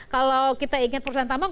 kalau kita ingin perusahaan tambang